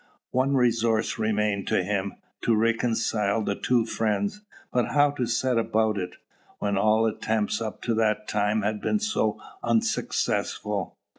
One resource remained to him, to reconcile the two friends. But how to set about it, when all attempts up to that time had been so unsuccessful?